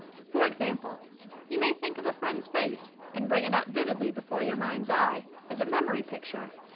For example: You may think of a friend's face and bring it up vividly before your mind's eye, as a memory picture.